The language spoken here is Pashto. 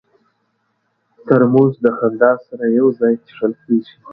ترموز د خندا سره یو ځای څښل کېږي.